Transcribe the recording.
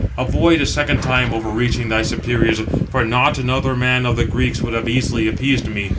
Avoid a second time overreaching thy superiors; for not another man of the Greeks would have easily appeased me.